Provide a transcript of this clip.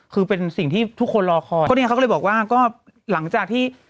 คือเป็นสิ่งที่ทุกคนรอคอยก็เนี่ยเขาก็เลยบอกว่าก็หลังจากที่